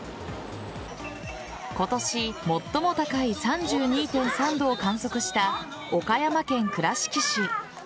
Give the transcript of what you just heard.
今年、最も高い３２．３度を観測した岡山県倉敷市。